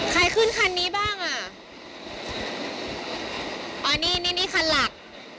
ใครขึ้นคันนี้บ้างอ่ะอ๋อนี่นี่คันหลัก